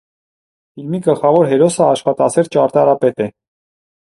Ֆիլմի գլխավոր հերոսը աշխատասեր ճարտարապետ է։